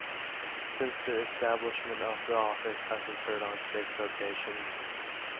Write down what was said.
Since the establishment of the office this has occurred on six occasions.